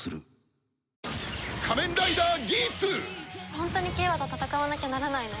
ホントに景和と戦わなきゃならないの？